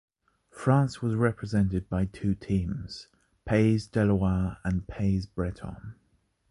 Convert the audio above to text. France was represented by two teams; Pays de Loire and Pays Breton.